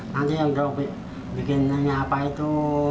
nanti yang udah bikin apa itu